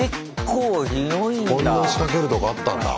こんな仕掛けるとこあったんだ。